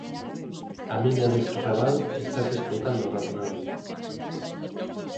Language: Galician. "A mina de Serrabal estase explotando racionalmente"